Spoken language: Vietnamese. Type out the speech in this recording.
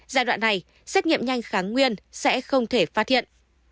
giai đoạn này xét nghiệm nhanh kháng nguyên sẽ không thể phát hiện